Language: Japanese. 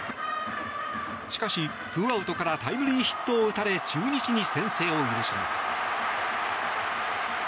しかし、２アウトからタイムリーヒットを打たれ中日に先制を許します。